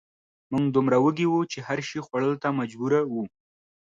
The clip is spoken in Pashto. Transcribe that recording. موږ دومره وږي وو چې هر شي خوړلو ته مجبور وو